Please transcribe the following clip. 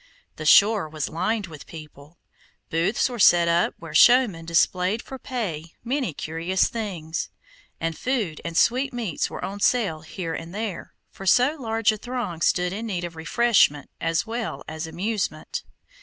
The shore was lined with people; booths were set up where showmen displayed for pay many curious things, and food and sweetmeats were on sale here and there, for so large a throng stood in need of refreshment as well as amusement.